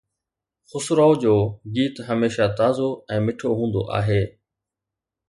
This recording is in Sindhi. خسروءَ جو گيت هميشه تازو ۽ مٺو هوندو آهي